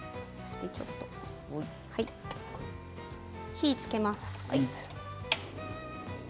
火をつけます。